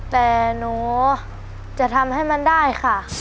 แต่หนูจะทำให้มันได้ค่ะ